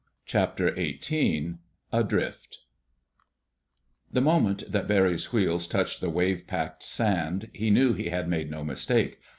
CHAPTER EIGHTEEN ADRIFT The moment that Barry's wheels touched the wave packed sand, he knew he had made no mistake.